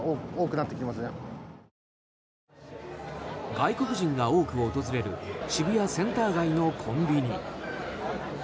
外国人が多く訪れる渋谷センター街のコンビニ。